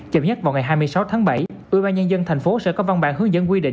chậm nhất vào ngày hai mươi sáu tháng bảy ưu ban nhân dân thành phố sẽ có văn bản hướng dẫn quy định